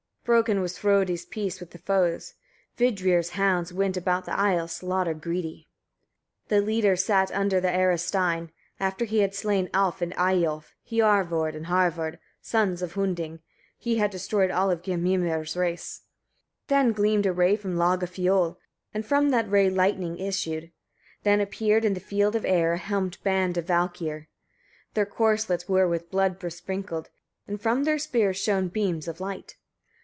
Broken was Frodi's peace between the foes: Vidrir's hounds went about the isle slaughter greedy. 14. The leader sat under the Arastein, after he had slain Alf and Eyiolf, Hiorvard and Havard, sons of Hunding: he had destroyed all Geirmimir's race. 15. Then gleamed a ray from Logafioll, and from that ray lightnings issued; then appeared, in the field of air, a helmed band of Valkyriur: their corslets were with blood besprinkled, and from their spears shone beams of light.